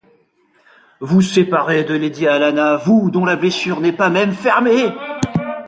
Vous séparer de lady Helena, vous, dont la blessure n’est pas même fermée!